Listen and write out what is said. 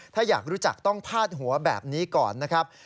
ถ้าอยากรู้จักต้องพาดหัวแบบนี้ก่อนนะครับ